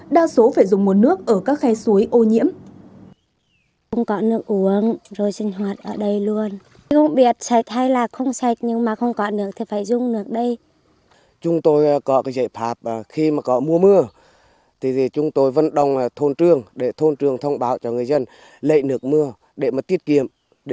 đa số phải dùng nguồn nước ở các khe suối ô nhiễm